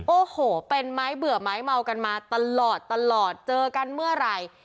โอ้โหเป็นไม้เบื่อไม้เมากันมาตลอดตลอดเจอกันเมื่อไหร่